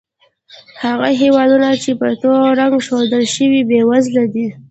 هغه هېوادونه چې په تور رنګ ښودل شوي، بېوزله دي.